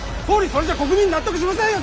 それじゃ国民納得しませんよ